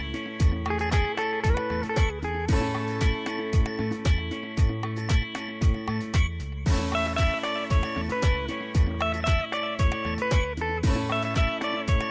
สวัสดีครับ